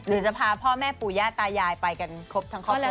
หรือจะพาพ่อแม่ปู่ย่าตายายไปกันครบทั้งครอบครัว